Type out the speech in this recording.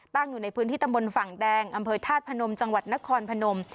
อยู่ในพื้นที่ตำบลฝั่งแดงอำเภอธาตุพนมจังหวัดนครพนม